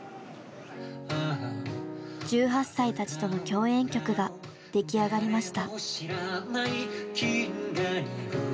１８歳たちとの共演曲が出来上がりました。